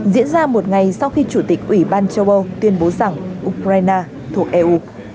diễn ra một ngày sau khi chủ tịch ủy ban châu âu tuyên bố rằng ukraine thuộc eu